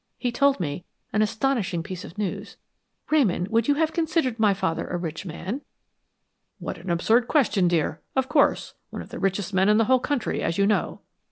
He told me an astonishing piece of news. Ramon, would you have considered my father a rich man?" "What an absurd question, dear! Of course. One of the richest men in the whole country, as you know."